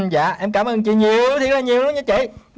dạ em cảm ơn chị nhiều thiệt là nhiều lắm nha chị